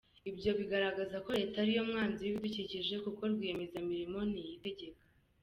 ibyo bigaragaza ko leta ariyo mwanzi w ibidukikije kuko rwiyemezamirimo ntiyitegeka.